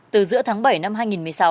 từ giữa tháng bảy năm hai nghìn một mươi sáu